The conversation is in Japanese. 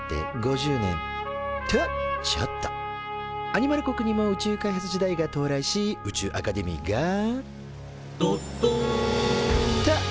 アニマル国にも宇宙開発時代が到来し宇宙アカデミーが「どっどん！」と誕生。